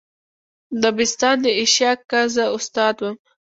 دبستان د ایشیا که زه استاد وم.